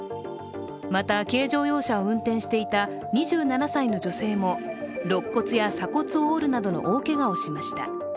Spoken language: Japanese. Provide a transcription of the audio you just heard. また、軽乗用車を運転していた２７歳の女性もろっ骨や鎖骨を折るなどの大けがをしました。